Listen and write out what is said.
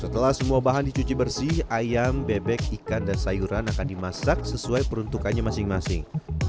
setelah semua bahan dicuci bersih ayam bebek ikan dan sayuran akan dimasak sesuai peruntukannya masing masing